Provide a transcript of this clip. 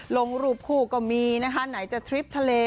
ลงรูปคู่ก็มีนะคะไหนจะทริปทะเล